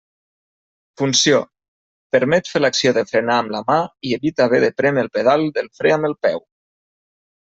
Funció: permet fer l'acció de frenar amb la mà i evita haver de prémer el pedal del fre amb el peu.